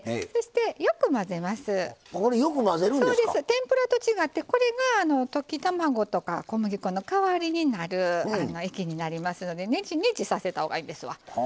天ぷらと違ってこれが溶き卵とか小麦粉の代わりになる液になりますのでねちねちさせたほうがいいですわ。